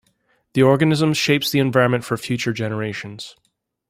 The organism shapes the environment for future generations.